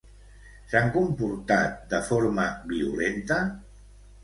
S'han comportat de forma violenta?